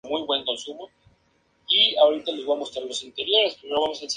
Lou y sus acólitos atan a Nick, ya que Lou planea ser el rey.